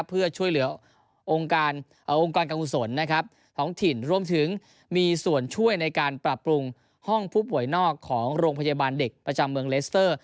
เพื่อช่วยเหลือองค์กรการกุศลนะครับท้องถิ่นรวมถึงมีส่วนช่วยในการปรับปรุงห้องผู้ป่วยนอกของโรงพยาบาลเด็กประจำเมืองเลสเตอร์